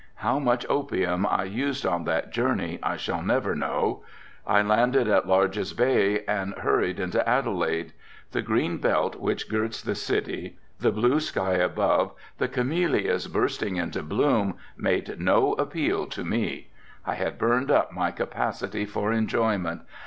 How much opium I used on that journey I shall never know. I landed at Larges Bay and hurried into Adelaide. The green belt which girts the city, the blue sky above, the camellias bursting into bloom made no appeal to me. I had burned up my capacity for enjoyment.